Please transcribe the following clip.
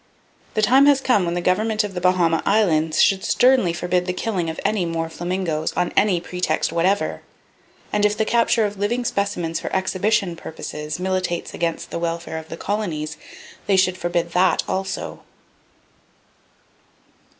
The time has come when the Government of the Bahama Islands should sternly forbid the killing of any more flamingos, on any pretext whatever; and if the capture of living specimens for exhibition purposes militates against the welfare of the colonies, they should forbid that also.